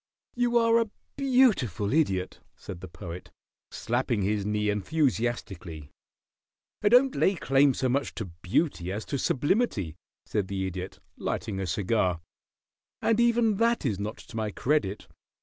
"You are a beautiful Idiot," said the Poet, slapping his knee enthusiastically. "I don't lay claim so much to beauty as to sublimity," said the Idiot, lighting a cigar. "And even that is not to my credit.